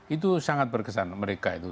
itu sangat berkesan mereka itu